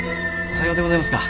さようでございますか。